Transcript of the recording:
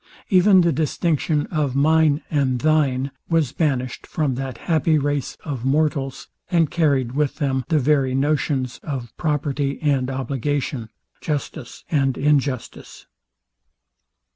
Even the distinction of mine and thine was banished from that happy race of mortals, and carryed with them the very notions of property and obligation, justice and injustice.